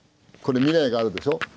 これ未来があるでしょ？